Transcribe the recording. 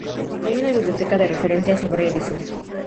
Hay una biblioteca de referencia sobre Edison.